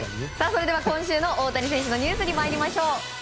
それでは今週の大谷選手のニュースに参りましょう。